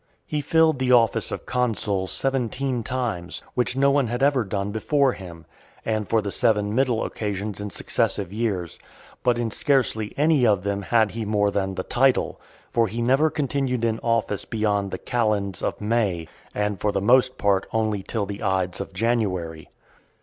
He filled the office of consul seventeen times, which no one had ever done before him, and for the seven middle occasions in successive years; but in scarcely any of them had he more than the title; for he never continued in office beyond the calends of May [the 1st May], and for the most part only till the ides of January [13th January].